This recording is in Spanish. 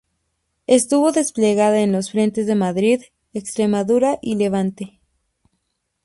Estuvo desplegada en los frentes de Madrid, Extremadura y Levante.